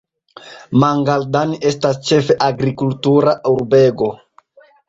Mangaldan estas ĉefe agrikultura urbego.